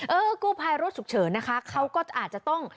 กู้ภัยรถฉุกเฉินนะคะเขาก็อาจจะต้อง